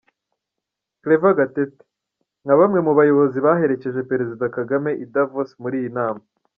Claver Gatete; nka bamwe mu bayobozi baherekeje Perezida Kagame i Davos muri iyi nama.